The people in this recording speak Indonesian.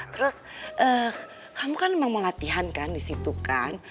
terus kamu kan emang mau latihan kan disitu kan